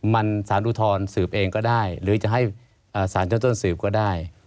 มันสารอุทธรณ์สืบเองก็ได้หรือจะให้สารเจ้าต้นสืบก็ได้